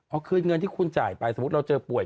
เอาคืนเงินที่คุณจ่ายไปสมมุติเราเจอป่วย